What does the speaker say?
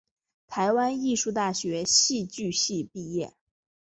台湾艺术大学戏剧系毕业。